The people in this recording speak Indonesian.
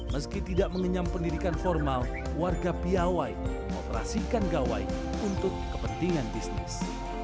meski tidak mengenyam pendidikan formal warga piawai mengoperasikan gawai untuk kepentingan bisnis